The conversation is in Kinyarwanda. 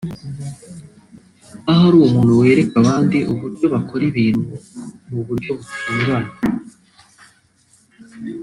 ahora ari umuntu wereka abandi uburyo bakora ibintu mu buryo butunganye